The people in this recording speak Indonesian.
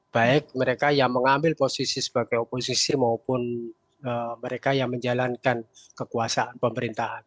baik mereka yang mengambil posisi sebagai oposisi maupun mereka yang menjalankan kekuasaan pemerintahan